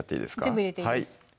全部入れていいです